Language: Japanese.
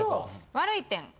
悪い点。